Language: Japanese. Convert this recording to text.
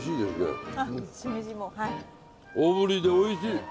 大ぶりでおいしい！